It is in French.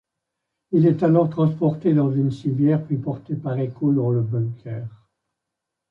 Il est alors transporté dans un civière puis porté par Eko dans le bunker.